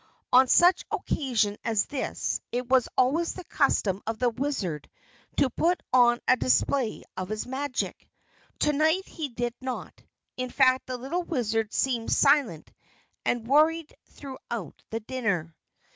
On such occasions as this, it was always the custom of the Wizard to put on a display of his magic. Tonight he did not. In fact the Little Wizard seemed silent and worried throughout the dinner.